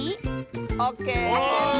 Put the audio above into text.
オッケー！